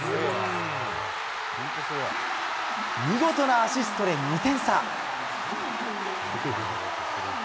見事なアシストで２点差。